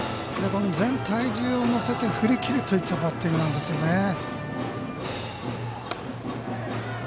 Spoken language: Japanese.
全体重を乗せて振り切るといったバッティングなんですよね。